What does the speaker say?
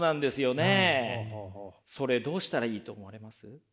それどうしたらいいと思われます？